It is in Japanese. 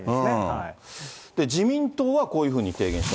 自民党はこういうふうに提言